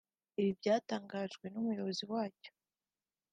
Ibi byatangajwe n’Umuyobozi wacyo